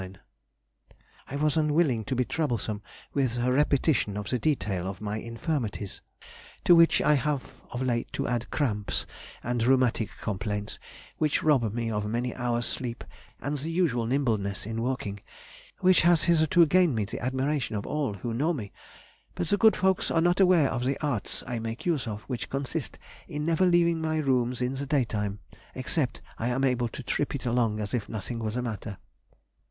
_I was unwilling to be troublesome with a repetition of the detail of my infirmities, to which I have of late to add cramps and rheumatic complaints, which rob me of many hours' sleep and the usual nimbleness in walking, which has hitherto gained me the admiration of all who know me; but the good folks are not aware of the arts I make use of, which consist in never leaving my rooms in the daytime, except I am able to trip it along as if nothing were the matter.